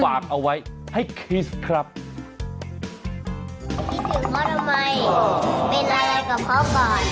ฝากเอาไว้ให้คริสครับคิดถึงเขาทำไมอ๋อ